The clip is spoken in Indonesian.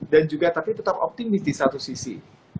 dan juga tetap optimis di satu sisi